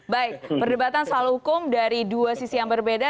baik perdebatan soal hukum dari dua sisi yang berbeda